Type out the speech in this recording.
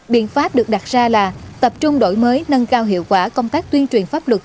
biện pháp được đặt ra là tập trung đổi mới nâng cao hiệu quả công tác tuyên truyền pháp luật